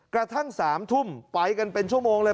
กระทั่ง๓ทุ่มไปกันเป็นชั่วโมงเลย